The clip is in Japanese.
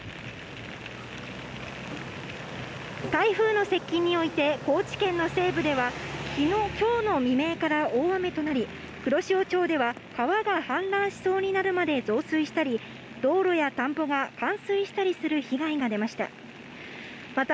台風の接近において、高知県の西部では、きょうの未明から大雨となり、黒潮町では川が氾濫しそうになるまで増水したり、道路や田んぼが冠水したりする被害が出ました。